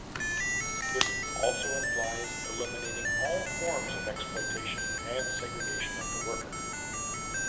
This also implies eliminating all forms of exploitation and segregation of the worker.